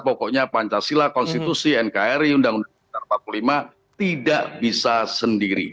pokoknya pancasila konstitusi nkri undang undang dasar empat puluh lima tidak bisa sendiri